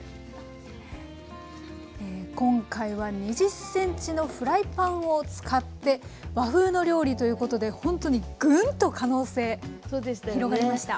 今回は２０ｃｍのフライパンを使って和風の料理ということでほんとにぐんと可能性広がりました。